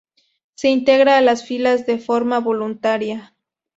Se integra a las filas de forma voluntaria.